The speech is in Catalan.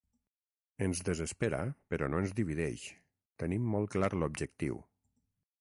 Ens desespera però no ens divideix; tenim molt clar l’objectiu.